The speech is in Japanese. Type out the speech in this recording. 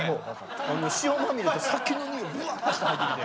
塩まみれで酒のにおいブワーッして入ってきて。